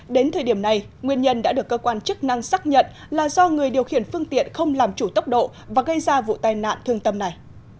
đến thời điểm này nguyên nhân đã được cơ quan chức năng xác nhận là do người điều khiển phương tiện không làm chủ tốc độ và gây ra vụ tai nạn thương tâm này